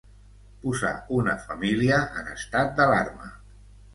Posar una família en estat d'alarma.